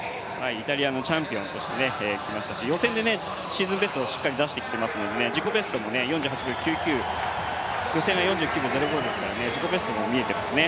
イタリアのチャンピオンとして来ましたし予選でシーズンベストをしっかり出してきていますので、自己ベストも４８秒９９、自己ベストも見えてますね。